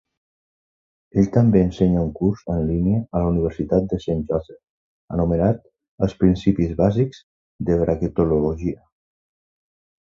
Ell també ensenya un curs en línia a la Universitat de Saint Joseph anomenat "Els principis bàsics de braquetologia".